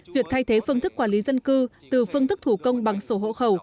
việc thay thế phương thức quản lý dân cư từ phương thức thủ công bằng sổ hộ khẩu